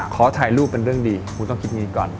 ขอถ่ายรูปเป็นเรื่องดีคุณต้องคิดงี้ก่อน